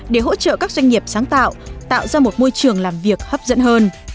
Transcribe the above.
để hỗ trợ các doanh nghiệp sáng tạo tạo ra một môi trường làm việc hấp dẫn hơn